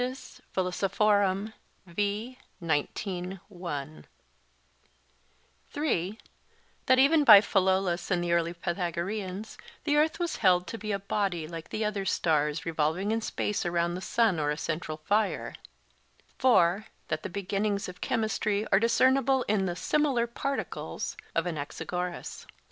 Phil.); (3) that even by Philolaus and the early Pythagoreans, the earth was held to be a body like the other stars revolving in space around the sun or a central fire; (4) that the beginnings of chemistry are discernible in the 'similar particles' of Anaxagoras.